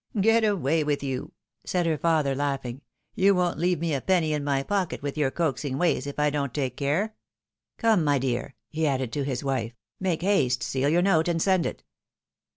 " Get away with you," said her father, laughing ;" you won't leave me a penny in my pocket, with your coaxing ways, if I don't take care. Come, my dear," he added, to his wife, " make haste, seal your note, and send it."